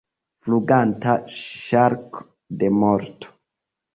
Fluganta ŝarko de morto!